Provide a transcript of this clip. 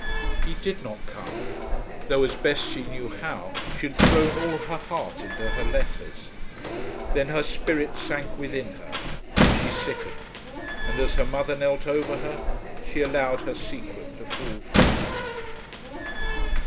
He did not come, though, as best she knew how, she had thrown all her heart into her letters. Then her spirit sank within her, and she sickened, and as her mother knelt over her, she allowed her secret to fall from her.